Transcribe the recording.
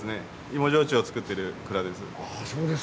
芋焼酎を造ってる蔵です。